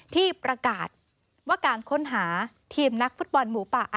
ที่ประกาศว่าการค้นหาทีมนักฟุตบอลหมูป่า